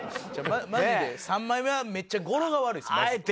マジで３枚目はめっちゃ語呂が悪いです。